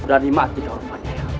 berani mati kau pandia